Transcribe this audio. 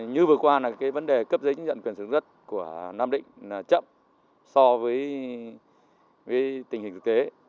như vừa qua là cái vấn đề cấp giấy chứng nhận quyền sử dụng đất của nam định là chậm so với tình hình thực tế